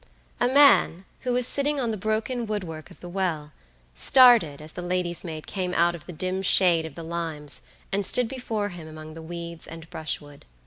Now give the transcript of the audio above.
A man, who was sitting on the broken wood work of the well, started as the lady's maid came out of the dim shade of the limes and stood before him among the weeds and brushwood.